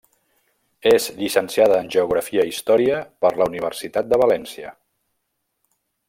És Llicenciada en Geografia i Història per la Universitat de València.